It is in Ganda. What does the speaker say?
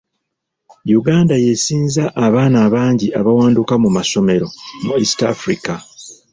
Uganda yeesinza abaana abangi abawanduka mu masomero mu East Africa